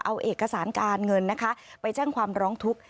เอาเอกสารการเงินนะคะไปแจ้งความร้องทุกข์